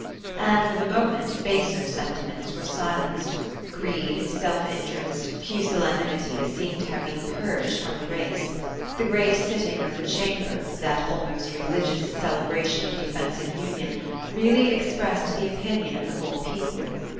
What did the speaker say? And for the moment baser sentiments were silenced: greed, self interest, pusillanimity seemed to have been purged from the race. The great sitting of the Chamber, that almost religious celebration of defensive union, really expressed the opinion of the whole people.